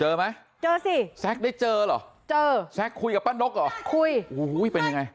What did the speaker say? เจอมั้ยเจอสิแซคได้เจอหรอเจอแซคคุยกับป้านดกหรอคุยอุ้ยเป็นยังไง